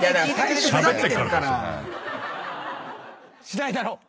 しないだろ？